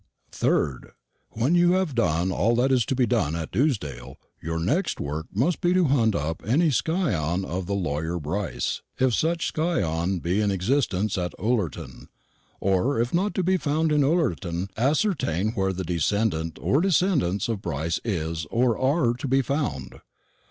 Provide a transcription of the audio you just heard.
"3rd. When you have done all that is to be done at Dewsdale, your next work must be to hunt up any scion of the lawyer Brice, if such scion be in existence at Ullerton. Or if not to be found in Ullerton, ascertain where the descendant, or decendants, of Brice is, or are, to be found.